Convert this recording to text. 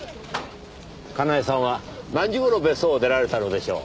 かなえさんは何時頃別荘を出られたのでしょう？